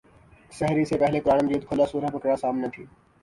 سحری سے پہلے قرآن مجید کھولا سورہ بقرہ سامنے تھی۔